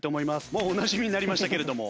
もうおなじみになりましたけれども。